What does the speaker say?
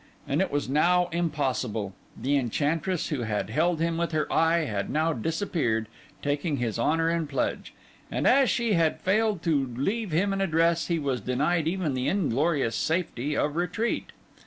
And it was now impossible: the enchantress who had held him with her eye had now disappeared, taking his honour in pledge; and as she had failed to leave him an address, he was denied even the inglorious safety of retreat.